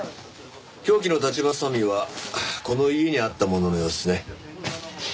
凶器の裁ちばさみはこの家にあったもののようっすね。